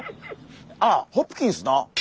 ああホプキンスな。